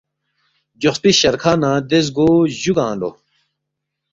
گیوخسپی شرکھہ نہ دے زگو جُوگنگ لو